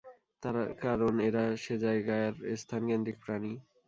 তার কারণ এরা সে জায়গার স্থান-কেন্দ্রিক প্রাণী।